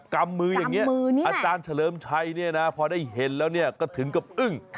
กำมืออย่างนี้อาจารย์เฉลิมชัยเนี่ยนะพอได้เห็นแล้วก็ถึงกับอึ้ง